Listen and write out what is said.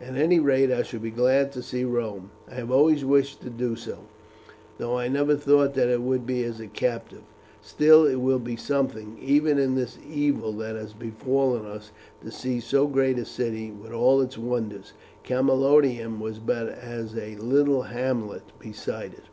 At any rate I shall be glad to see Rome. I have always wished to do so, though I never thought that it would be as a captive. Still, it will be something even in this evil that has befallen us to see so great a city with all its wonders. Camalodunum was but as a little hamlet beside it."